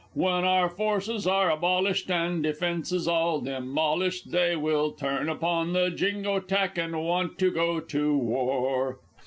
When our forces are abolished, and defences all demolished, They will turn upon the Jingo tack, and want to go to war!